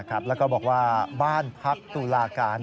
แล้วก็บอกว่าบ้านพักตุลาการ